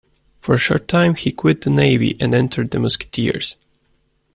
For a short time he quit the navy and entered the musketeers.